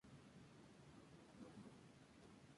La textura es firme, densa, rica y cremosa.